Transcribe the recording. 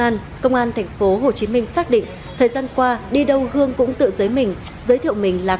an thành phố hồ chí minh xác định thời gian qua đi đâu gương cũng tự giới mình giới thiệu mình là